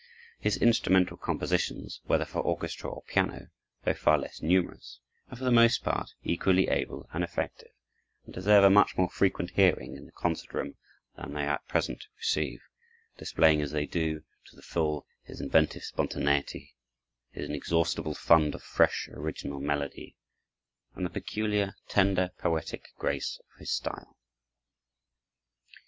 His instrumental compositions, whether for orchestra or piano, though far less numerous, are for the most part equally able and effective, and deserve a much more frequent hearing in the concert room than they at present receive, displaying, as they do, to the full, his inventive spontaneity, his inexhaustible fund of fresh, original melody, and the peculiar, tender, poetic grace of his style.